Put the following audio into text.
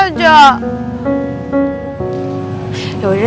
ya udah tunggu di sini aja